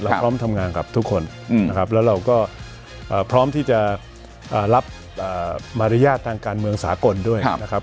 พร้อมทำงานกับทุกคนนะครับแล้วเราก็พร้อมที่จะรับมารยาททางการเมืองสากลด้วยนะครับ